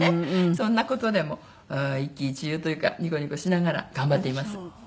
そんな事でも一喜一憂というかニコニコしながら頑張っています。